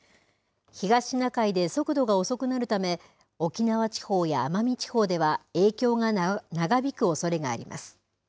東シナ海で速度が遅くなるため、沖縄地方や奄美地方では、影響が長引くおそれがあります。